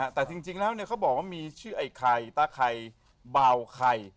แต่จริงแล้วเขาบอกว่ามีชื่อไอ้ไข่ตาไข่เบาไข่